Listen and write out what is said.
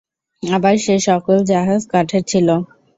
আবার সে-সকল জাহাজ কাঠের ছিল।